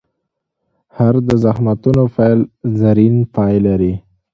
هر د زخمتونو پیل، زرین پای لري.